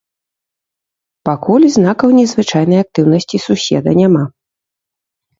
Пакуль знакаў незвычайнай актыўнасці суседа няма.